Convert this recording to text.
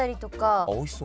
あっおいしそう。